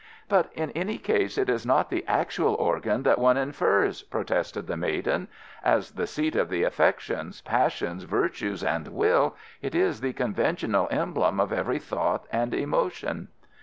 "But, in any case, it is not the actual organ that one infers," protested the maiden. "As the seat of the affections, passions, virtues, and will, it is the conventional emblem of every thought and emotion."